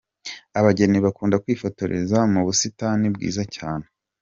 Abageni bakunda kwifotoreza mu busitani bwiza cyane.